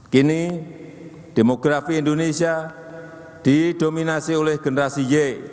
kini demografi indonesia didominasi oleh generasi y